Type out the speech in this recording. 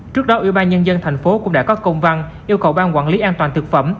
trước đó ưu ba nhân dân thành phố cũng đã có công văn yêu cầu bàn quản lý an toàn thực phẩm